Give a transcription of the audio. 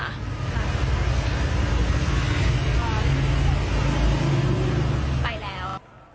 ไปแล้ว